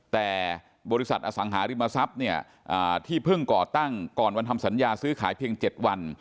แต่บริษัทอสังหาริมทรัพย์เนี่ยที่เพิ่งก่อตั้งก่อนวันทำสัญญาซื้อขายเพียง๗วัน